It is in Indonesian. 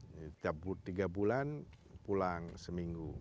setiap tiga bulan pulang seminggu